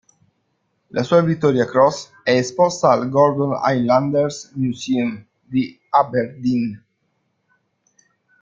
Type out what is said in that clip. La sua Victoria Cross è esposta al Gordon Highlanders Museum di Aberdeen.